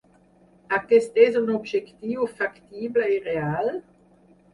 Aquest és un objectiu factible i real?